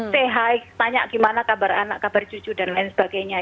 say tanya gimana kabar anak kabar cucu dan lain sebagainya